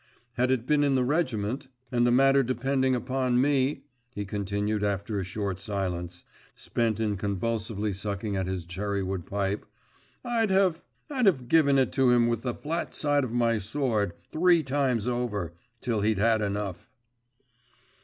Had it been in the regiment and the matter depending upon me,' he continued after a short silence, spent in convulsively sucking at his cherrywood pipe, 'I'd have … I'd have given it him with the flat side of my sword … three times over … till he'd had enough.